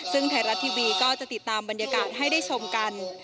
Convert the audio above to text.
ซึ่งไทยรัฐทีวีก็จะติดตามบรรยากาศให้ได้ชมกัน